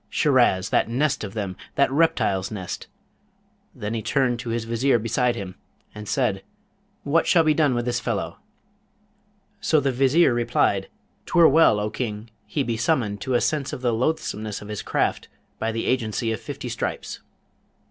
Shiraz! that nest of them! that reptile's nest!' Then he turned to his Vizier beside him, and said, 'What shall be done with this fellow?' So the Vizier replied, ''Twere well, O King, he be summoned to a sense of the loathsomeness of his craft by the agency of fifty stripes.'